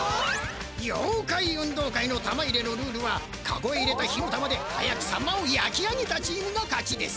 ようかい運動会の玉入れのルールはカゴへ入れた火の玉で早くサンマをやき上げたチームの勝ちです。